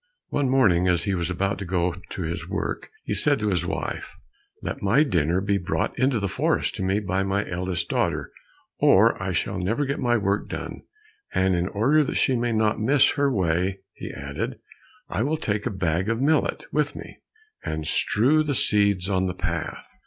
One morning as he was about to go to his work, he said to his wife, "Let my dinner be brought into the forest to me by my eldest daughter, or I shall never get my work done, and in order that she may not miss her way," he added, "I will take a bag of millet with me and strew the seeds on the path."